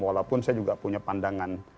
walaupun saya juga punya pandangan